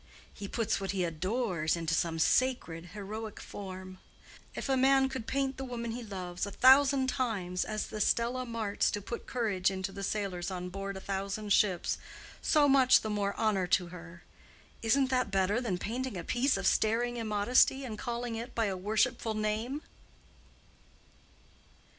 He puts what he adores into some sacred, heroic form. If a man could paint the woman he loves a thousand times as the Stella Maris to put courage into the sailors on board a thousand ships, so much the more honor to her. Isn't that better than painting a piece of staring immodesty and calling it by a worshipful name?"